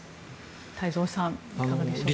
太蔵さんいかがでしょうか。